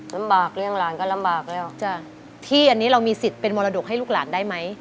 ลำบากเลี้ยงหลานก็ลำบากแล้วจ้ะที่อันนี้เรามีสิทธิ์เป็นมรดกให้ลูกหลานได้ไหม